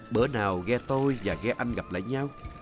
bữa nào ghe tôi và ghe anh gặp lại nhau